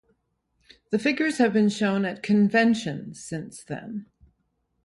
The figures have been shown at conventions since then.